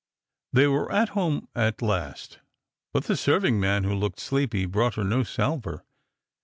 " They were at home at last ; but the serving man, who looked sleepy, brought her no salver.